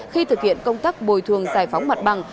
khi thực hiện công tác bồi thường giải phóng mặt bằng